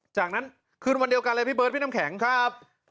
จากนั้นคืนวันเดียวกันเลยพี่เบิร์ดพี่น้ำแข็งครับ